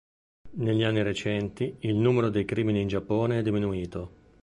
Negli anni recenti, il numero dei crimini in Giappone è diminuito.